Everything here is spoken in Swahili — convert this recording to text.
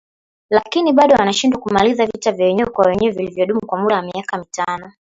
Lakini bado wanashindwa kumaliza vita vya wenyewe kwa wenyewe vilivyodumu kwa muda wa miaka mitano.